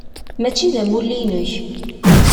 Mačči d amulli-inek.